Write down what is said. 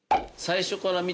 最初っから。